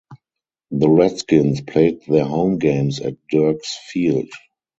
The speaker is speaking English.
The Redskins played their home games at Derks Field.